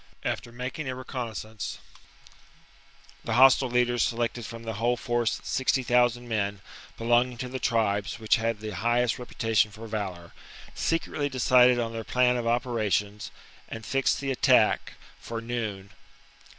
After making a reconnaissance, the hostile leaders selected from the whole force sixty thousand men belonging to the tribes which had the highest reputation for valour, secretly decided on their plan of operations, and fixed the attack for noon.